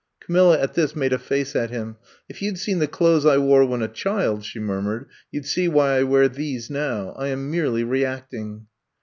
'' Camilla at this made a face at him. ^^If you 'd seen the clothes I wore when a child, she murmured, you *d see why I wear these now. I am merely reacting.